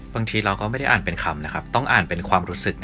บางทีเราก็ไม่ได้อ่านเป็นคำนะครับต้องอ่านเป็นความรู้สึกนะ